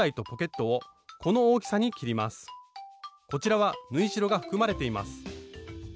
こちらは縫い代が含まれています。